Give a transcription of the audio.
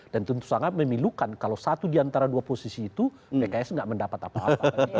dan tentu sangat memilukan kalau satu diantara dua posisi itu pks nggak mendapat apa apa